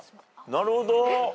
なるほど。